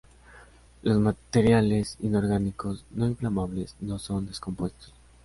Los materiales inorgánicos no-inflamables no son descompuestos.